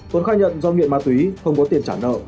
tuấn khai nhận do nghiện ma túy không có tiền trả nợ